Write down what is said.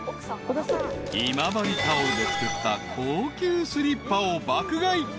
［今治タオルで作った高級スリッパを爆買い］